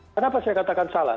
kenapa saya katakan salah